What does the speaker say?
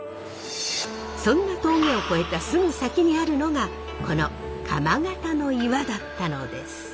そんな峠を越えたすぐ先にあるのがこの釜形の岩だったのです。